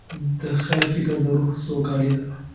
د خیر فکر د روح سوکالي ده.